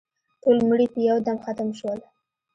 ټول مړي په یو دم ختم شول.